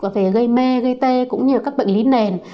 về gây mê gây tê cũng như các bệnh lý nền